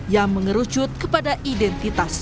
yang mengerucut kepada identitas